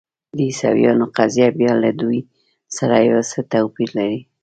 د عیسویانو قضیه بیا له دوی سره یو څه توپیر لري.